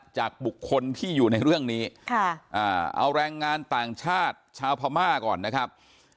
จากบุคคลที่อยู่ในเรื่องนี้เอาแรงงานต่างชาติชาวพม่าก่อนนะครับ